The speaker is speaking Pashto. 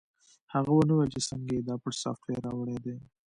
هغه ونه ویل چې څنګه یې دا پټ سافټویر راوړی دی